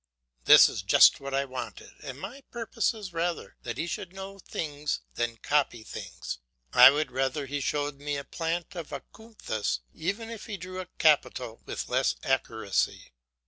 That is just what I wanted, and my purpose is rather that he should know things than copy them. I would rather he showed me a plant of acanthus even if he drew a capital with less accuracy.